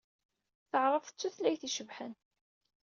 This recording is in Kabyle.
Taɛṛabt d tutlayt ay icebḥen.